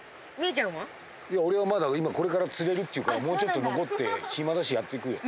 いや俺はまだ今これから釣れるっていうからもうちょっと残って暇だしやって行くよ。